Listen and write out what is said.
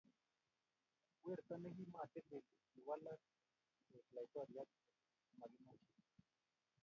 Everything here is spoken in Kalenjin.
Werto ni ki matilil ,kiwalak koek laitoryat ne makimechei